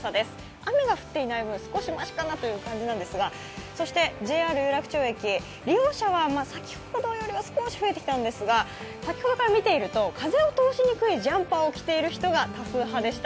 雨が降っていない分、少しましかなという感じなんですがそしてＪＲ有楽町駅、利用者は先ほどより少し増えてきたんですが先ほどから見ていると風を通しにくいジャンパーを着ている人が多数派でした。